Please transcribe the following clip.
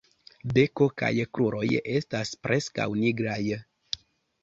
Beko kaj kruroj estas preskaŭ nigraj.